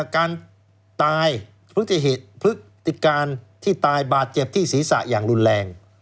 การตายพฤติพฤติการที่ตายบาดเจ็บที่ศีรษะอย่างรุนแรง